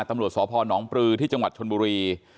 ตำรวจสพนปลือที่จังหวัดชนบุรี